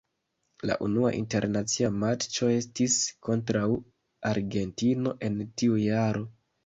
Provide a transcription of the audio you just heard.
La unua internacia matĉo estis kontraŭ Argentino en tiu jaro.